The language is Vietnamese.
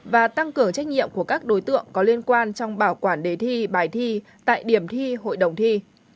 và tăng cường trách nhiệm của các đối tượng có liên quan trong bảo quản đề thi bài thi tại điểm thi hội đồng thi